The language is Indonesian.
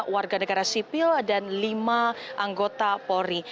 warga negara sipil dan lima anggota polri